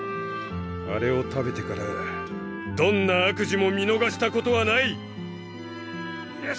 あれを食べてからどんな悪事も見のがしたことはない！